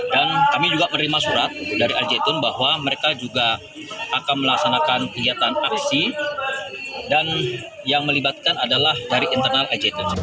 dan kami juga menerima surat dari al zaitun bahwa mereka juga akan melaksanakan kegiatan aksi dan yang melibatkan adalah dari internal al zaitun